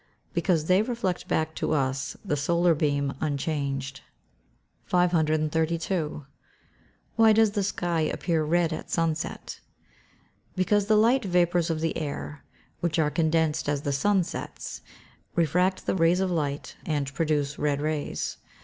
_ Because they reflect back to us the solar beam unchanged. 532. Why does the sky appear red at sunset? Because the light vapours of the air, which are condensed as the sun sets, refract the rays of light, and produce red rays.